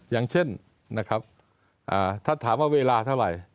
อย่างเช่นนะครับถ้าถามว่าเวลาเท่าไหร่